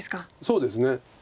そうですね。